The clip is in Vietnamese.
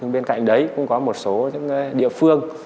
bên cạnh đấy cũng có một số những địa phương